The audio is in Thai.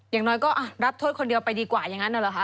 อย่างน้อยก็รับโทษคนเดียวไปดีกว่าอย่างนั้นเหรอคะ